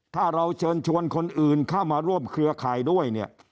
ถ้าเราเชิญชวนคนอื่นเข้ามาร่วมเครือข่ายด้วยเนี่ย